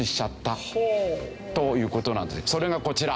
それがこちら。